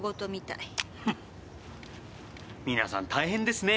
皆さん大変ですねぇ。